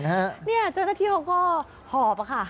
เจ้าหน้าที่เขาก็หอบอะค่ะ